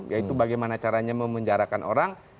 yaitu bagaimana caranya memenjarakan orang